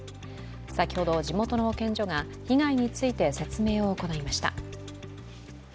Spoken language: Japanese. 先ほど地元の保健所が被害について説明を行いました。